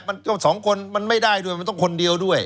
มันต้องสองคนมันไม่ได้ด้วยมันต้องคนเดียวด้วย